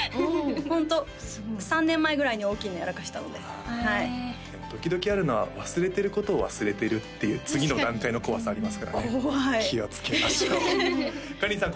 ホント３年前ぐらいに大きいのやらかしたのではい時々あるのは忘れてることを忘れてるっていう次の段階の怖さありますからね怖い気をつけましょうかりんさん